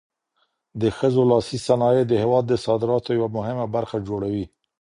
د ښځو لاسي صنایع د هېواد د صادراتو یوه مهمه برخه جوړوي